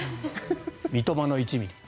三笘の１ｍｍ。